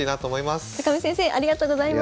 見先生ありがとうございます。